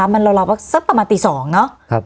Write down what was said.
มันราวสักประมาณตี๒เนอะ